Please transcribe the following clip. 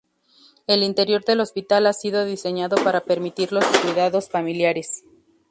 El interior del hospital ha sido diseñado para permitir los cuidados familiares.